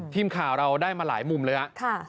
ทีมข่าวเราได้มาหลายมุมเลยครับ